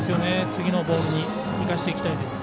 次のボールに生かしていきたいです。